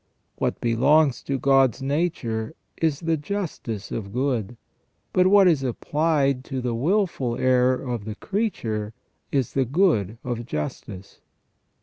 What belongs to God's nature is the justice of good ; but what is applied to the wilful error of the creature is the good of justice.